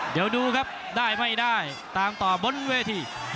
เดี๋ยวดูครับได้ไม่ได้ตามต่อบนเวที